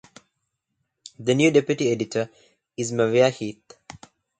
The new deputy editor is Maria Heath.